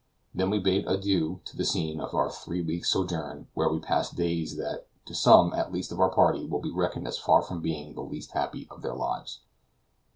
Then we bade adieu to the scene of our three weeks' sojourn, where we had passed days that to some at least of our party will be reckoned as far from being the least happy of their lives.